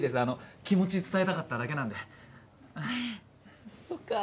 あの気持ち伝えたかっただけなんで。ははっ。